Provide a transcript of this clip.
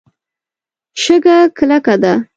شګه کلکه ده.